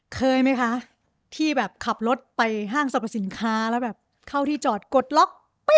เคยไหมคะที่แบบขับรถไปห้างสรรพสินค้าแล้วแบบเข้าที่จอดกดล็อก